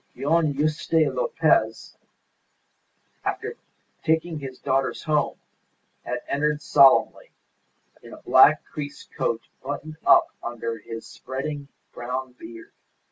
Don Juste Lopez, after taking his daughters home, had entered solemnly, in a black creased coat buttoned up under his spreading brown beard.